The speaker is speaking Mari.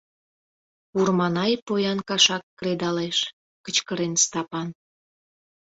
Курманай поян кашак кредалеш! — кычкырен Стапан.